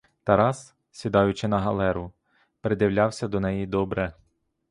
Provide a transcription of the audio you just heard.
Тарас, сідаючи на галеру, придивлявся до неї добре.